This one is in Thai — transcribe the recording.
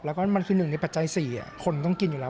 แล้วก็มันคือหนึ่งในปัจจัย๔คนต้องกินอยู่แล้ว